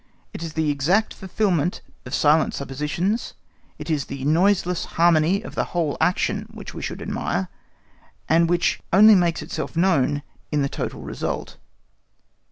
It is the exact fulfilment of silent suppositions, it is the noiseless harmony of the whole action which we should admire, and which only makes itself known in the total result.